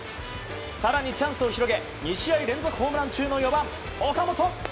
更にチャンスを広げ２試合連続ホームラン中の４番、岡本。